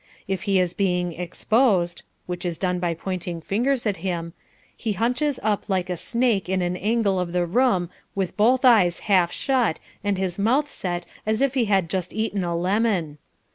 If he is being "exposed" (which is done by pointing fingers at him), he hunches up like a snake in an angle of the room with both eyes half shut and his mouth set as if he had just eaten a lemon.